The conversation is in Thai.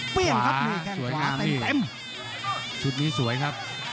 เปลี่ยนครับมีแข่งขวาเต็มชุดนี้สวยครับ